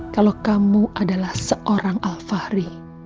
kalau kamu adalah seorang al fahri